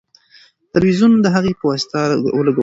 تلویزیون د هغې په واسطه ولګول شو.